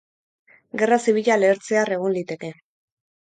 Gerra zibila lehertzear egon liteke.